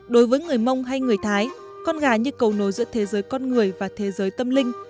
đối với người mông hay người thái con gà như cầu nối giữa thế giới con người và thế giới tâm linh